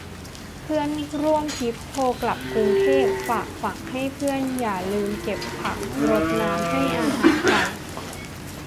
เพื่อนร่วมทริป โทรกลับกรุงเทพ ฝากฝังให้เพื่อนอย่าลืมเก็บผัก รดน้ำ ให้อาหารไก่